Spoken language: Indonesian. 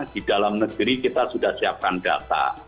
di dalam negeri kita sudah siapkan data